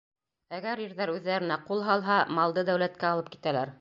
Әгәр ирҙәр үҙҙәренә ҡул һалһа, малды дәүләткә алып китәләр.